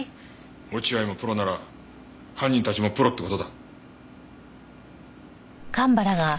落合もプロなら犯人たちもプロって事だ。